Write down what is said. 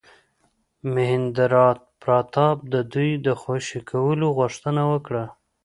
مهیندراپراتاپ د دوی د خوشي کولو غوښتنه وکړه.